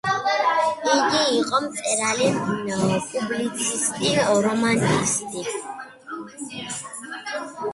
იგი იყო მწერალი, პუბლიცისტი, რომანისტი.